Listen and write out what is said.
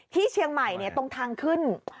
ที่เชียงใหม่ตรงทางขึ้น